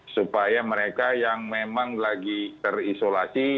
supaya mereka yang memang lagi terisolasi